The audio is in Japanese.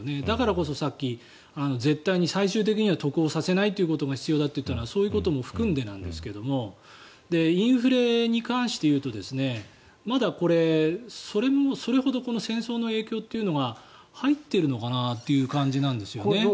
だからこそさっき絶対に最終的には得をさせないというのが必要だというのはそういうのを含んでなんですがインフレに関して言うとまだこれ、それほどこの戦争の影響というのが入ってるのかなという感じなんですよね。